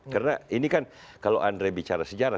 karena ini kan kalau andre bicara sejarah